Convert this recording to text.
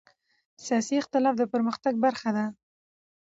سیاسي اختلاف د پرمختګ برخه ده